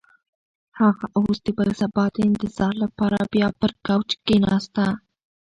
هغه اوس د بل سبا د انتظار لپاره بیا پر کوچ کښېناسته.